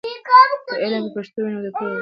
که علم په پښتو وي، نو د پوهې غبار نلري.